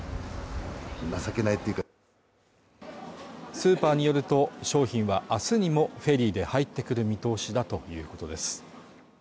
スーパーによると商品は明日にもフェリーで入ってくる見通しだということです